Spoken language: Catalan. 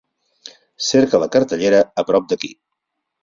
Cerca la cartellera a prop d'aquí.